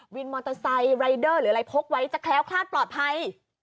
วินมอเตอร์ไซค์รายเดอร์หรืออะไรพกไว้จะแคล้วคลาดปลอดภัย